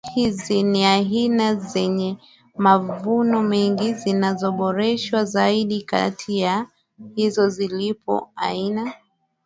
Chotara hizi ni aina zenye mavuno mengi zilizoboreshwa zaidi kati ya hizo zipo aina